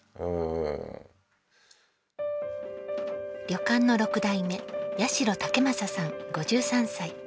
旅館の６代目八代健正さん５３歳。